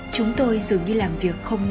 chúng tôi dường như làm việc không nghỉ